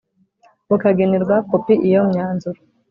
bukagenerwa kopi Iyo myanzuro